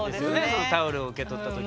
そのタオルを受け取った時。